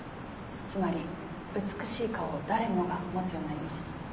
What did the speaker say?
つまり美しい顔を誰もが持つようになりました。